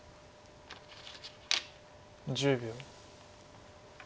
１０秒。